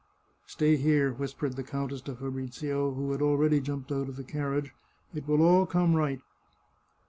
" Stay here," whispered the countess to Fabrizio, who had already jumped out of the carriage. " It will all come right."